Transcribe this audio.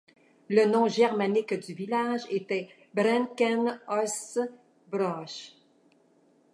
Le nom germanique du village était:Brenkenhofsbruch.